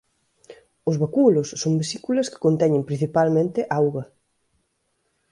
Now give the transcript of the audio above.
Os vacúolos son vesículas que conteñen principalmente auga.